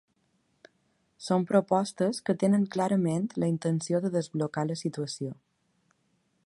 Són propostes que tenen clarament la intenció de desblocar la situació.